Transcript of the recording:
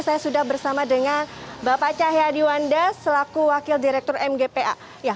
saya sudah bersama dengan bapak cahyadi wanda selaku wakil direktur mgpa